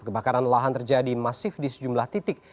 kebakaran lahan terjadi masif di sejumlah titik